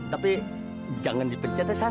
tapi jangan dipencet tarzan